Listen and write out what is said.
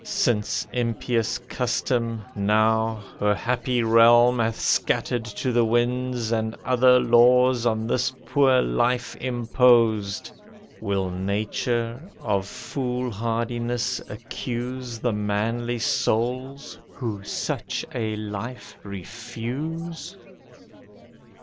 Since impious custom, now, Her happy realm hath scattered to the winds, And other laws on this poor life imposed, Will Nature of fool hardiness accuse The manly souls, who such a life refuse?